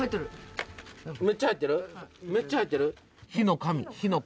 めっちゃ入ってる？